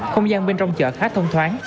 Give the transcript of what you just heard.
không gian bên trong chợ khác thông thoáng